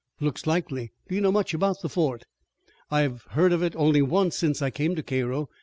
"Looks likely. Do you know much about the fort?" "I've heard of it only since I came to Cairo.